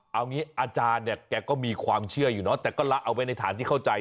เอางี้อาจารย์เนี่ยแกก็มีความเชื่ออยู่เนาะแต่ก็ละเอาไว้ในฐานที่เข้าใจ